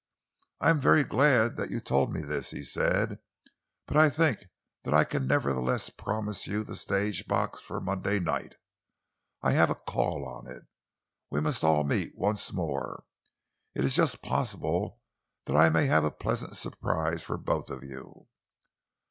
"I am very glad that you told me this," he said, "but I think that I can nevertheless promise you the stage box for Monday night. I have a call on it. We must all meet once more. It is just possible that I may have a pleasant surprise for both of you."